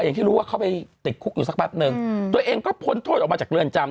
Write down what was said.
อย่างที่รู้ว่าเขาไปติดคุกอยู่สักแป๊บนึงตัวเองก็พ้นโทษออกมาจากเรือนจำ